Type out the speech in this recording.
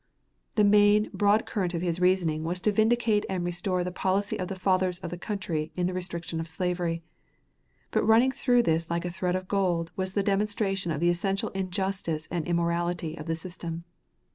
The main, broad current of his reasoning was to vindicate and restore the policy of the fathers of the country in the restriction of slavery; but running through this like a thread of gold was the demonstration of the essential injustice and immorality of the system.